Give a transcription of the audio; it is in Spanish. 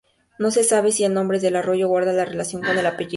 No se sabe si el nombre del arroyo guarda relación con el apellido.